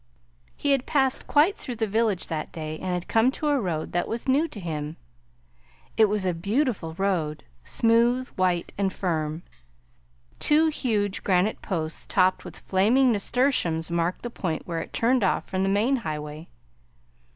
He had passed quite through the village that day, and had come to a road that was new to him. It was a beautiful road, smooth, white, and firm. Two huge granite posts topped with flaming nasturtiums marked the point where it turned off from the main highway.